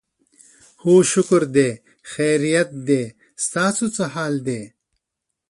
هو شکر دی، خیریت دی، ستاسو څه حال دی؟